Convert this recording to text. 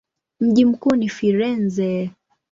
Mji mkuu ni Firenze.